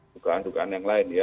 dugaan dugaan yang lain ya